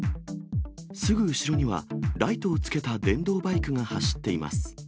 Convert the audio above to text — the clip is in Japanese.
すぐ後ろにはライトをつけた電動バイクが走っています。